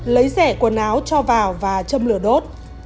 lấy rẻ quần áo cho vào và châm lửa đốt